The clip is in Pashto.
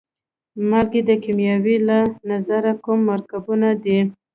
مالګې د کیمیا له نظره کوم مرکبونه دي؟